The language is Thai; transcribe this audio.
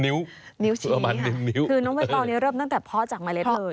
นิ้วชีนี้ค่ะคือน้องใบตองนี้เริ่มตั้งแต่พ่อจากเมล็ดเลย